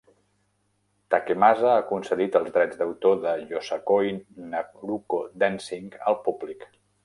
Takemasa ha concedit els drets d'autor de "Yosakoi Naruko Dancing" al públic.